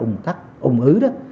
ổn tắc ổn ứ đó